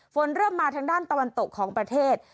ฝนเริ่มมาทางด้านตะวันตกของประเทศ